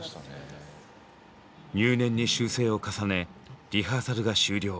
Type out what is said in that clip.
入念に修正を重ねリハーサルが終了。